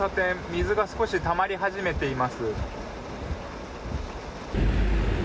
水が少したまり始めています。